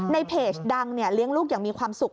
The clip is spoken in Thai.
ในเพจดังเลี้ยงลูกอย่างมีความสุข